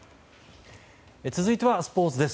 続いてはスポーツです。